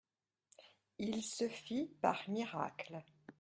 Il se fit par miracle.